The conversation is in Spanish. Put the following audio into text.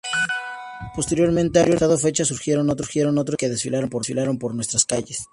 Posteriormente a esta fecha surgieron otros gigantes que desfilaron por nuestras calles.